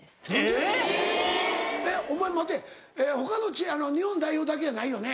えっお前待て他の日本代表だけやないよね？